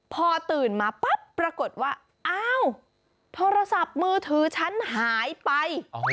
พอตื่นมาปั๊บปรากฏว่าอ้าวโทรศัพท์มือถือฉันหายไป